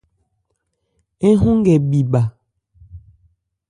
Ń hɔn nkɛ bhi bha.